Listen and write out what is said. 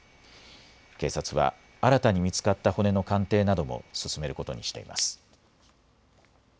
警察は、新たに見つかった骨の鑑定なども進めることにしています。